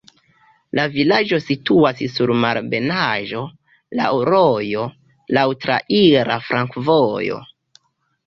La vilaĝo situas sur malebenaĵo, laŭ rojo, laŭ traira flankovojo.